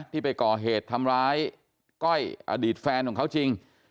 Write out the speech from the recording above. ที่ไปก่อเหตุทำร้ายก้อยอดีตแฟนของเขาจริง